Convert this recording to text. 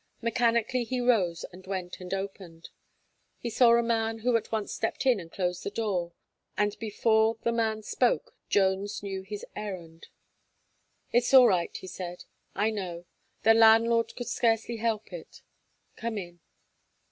Mechanically he rose and went and opened. He saw a man who at once stepped in and closed the door, and before the man spoke, Jones knew his errand. "It's all right," he said, "I know, the landlord could scarcely help it; come in."